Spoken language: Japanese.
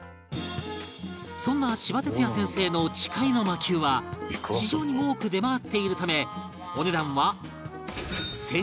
そんなちばてつや先生の『ちかいの魔球』は市場に多く出回っているためお値段は